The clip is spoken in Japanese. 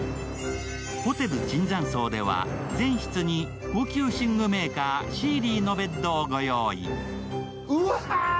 ホテル椿山荘では全室に高級寝具メーカー、シーリーのベッドをご用意。